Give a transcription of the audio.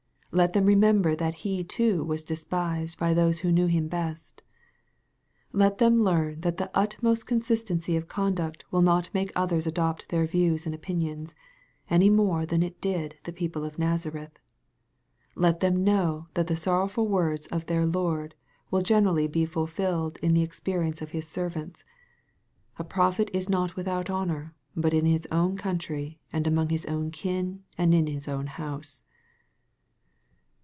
Let them remember that He too was despised most by those who knew Him best. Let them learn that the utmost consistency of con duct will not make others adopt their views and opinions, anymore than it did the people of Nazareth. Let them know that the sorrowful words of their Lord will gener rally be fulfilled in the experience of His servants, " a prophet is not without honor, but in his own country, and among his own kin, and in his own house."